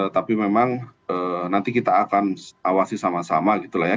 tapi memang nanti kita akan awasi sama sama gitu lah ya